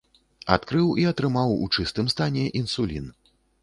Адкрыў і атрымаў у чыстым стане інсулін.